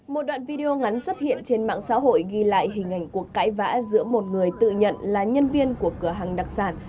một đoạn video ngắn xuất hiện trên mạng xã hội ghi lại hình ảnh cuộc cãi vã giữa một người tự nhận là nhân viên của cửa hàng đặc sản